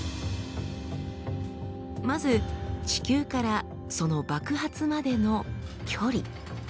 まず地球からその爆発までの距離。